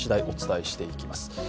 お伝えしていきます。